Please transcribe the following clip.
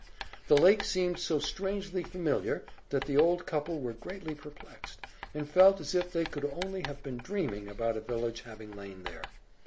The lake seemed so strangely familiar that the old couple were greatly perplexed, and felt as if they could only have been dreaming about a village having lain there.